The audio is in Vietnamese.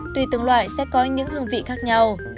tùy từng loại sẽ có những hương vị khác nhau